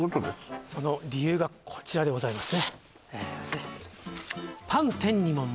その理由がこちらでございますね